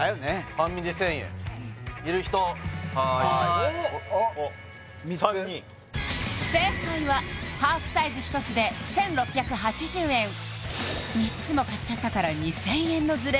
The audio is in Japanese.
半身で１０００円はーい３人正解はハーフサイズ１つで１６８０円３つも買っちゃったから２０００円のズレ